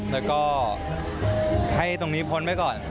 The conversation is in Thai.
แล้วก็ให้ตรงนี้พ้นไว้ก่อน